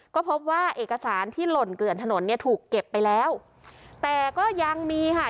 ก็พบว่าเอกสารที่หล่นเกลื่อนถนนเนี่ยถูกเก็บไปแล้วแต่ก็ยังมีค่ะ